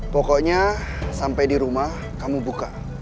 pokoknya sampai di rumah kamu buka